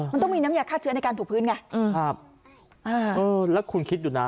มันต้องมีน้ำยาฆ่าเชื้อในการถูกพื้นไงเออครับอ่าเออแล้วคุณคิดดูนะ